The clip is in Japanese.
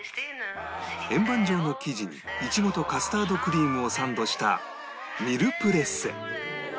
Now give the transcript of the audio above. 円盤状の生地にイチゴとカスタードクリームをサンドしたミルプレッセ